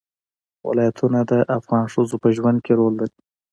ولایتونه د افغان ښځو په ژوند کې رول لري.